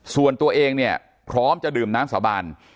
ส่วนตัวเองเนี่ยพร้อมจะดื่มน้ำสาบาน